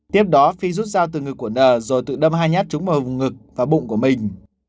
tiếp đó phi rút ra từ ngực của n rồi tự đâm hai nhát trúng vào vùng ngực và bụng của mình